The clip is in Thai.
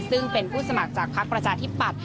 ซึ่งเป็นผู้สมัครจากพักประชาธิปัตย